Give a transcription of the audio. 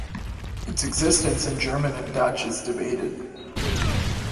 Its existence in German and Dutch is debated.